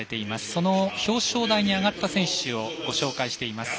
その表彰台に上がった選手をご紹介しています。